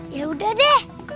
ya udah deh